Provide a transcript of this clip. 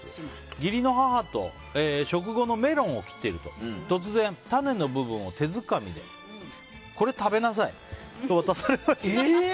義理の母と食後のメロンを切っていると、突然種の部分を手づかみでこれ食べなさいと渡されました。